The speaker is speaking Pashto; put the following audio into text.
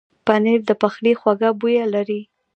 پنېر د پخلي خوږه بویه لري.